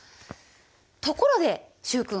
ところで習君